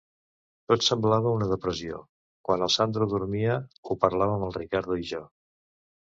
Tot semblava una depressió; quan el Sandro dormia, ho parlàvem el Riccardo i jo.